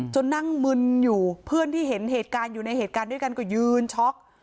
นั่งมึนอยู่เพื่อนที่เห็นเหตุการณ์อยู่ในเหตุการณ์ด้วยกันก็ยืนช็อก